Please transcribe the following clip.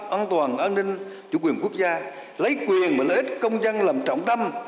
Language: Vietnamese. an toàn an ninh chủ quyền quốc gia lấy quyền và lợi ích công dân làm trọng tâm